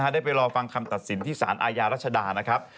ได้ไปรอฟังคำตัดสินที่สารอาญารัชดานะครับ